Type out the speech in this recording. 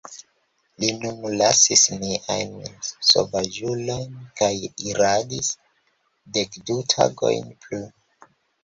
Ni nun lasis niajn sovaĝulojn kaj iradis dekdu tagojn plu.